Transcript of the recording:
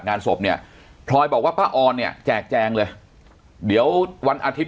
งานศพเนี่ยพลอยบอกว่าป้าออนเนี่ยแจกแจงเลยเดี๋ยววันอาทิตย